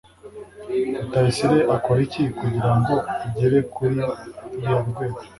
rutayisire akora iki kugirango agere kuri ruriya rwego